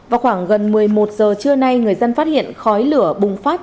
vào khoảng gần một mươi một giờ trưa nay người dân phát hiện khói lửa bùng phát